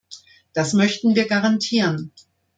Das möchten wir garantieren.